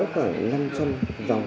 khoảng năm trăm linh dòng